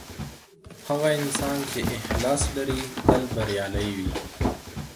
هغه انسان چي اخلاص لري تل بريالی وي.